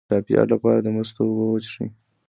د ټایفایډ لپاره د مستو اوبه وڅښئ